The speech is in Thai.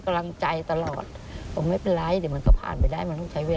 ก็ต้องโทรมาคุยหรือต้องรับเธอ